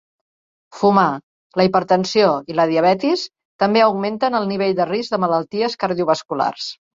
Fumar, la hipertensió i la diabetis també augmenten el nivell de risc de malalties cardiovasculars.